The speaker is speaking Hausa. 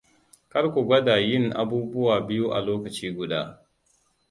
Karku gwada yin abubuwa biyu a lokaci guda.